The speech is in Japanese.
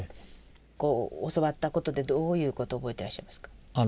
教わったことでどういうことを覚えてらっしゃいますか？